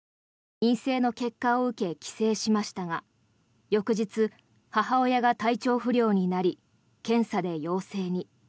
陰性の結果を受け帰省しましたが翌日、母親が体調不良になり検査で陽性に。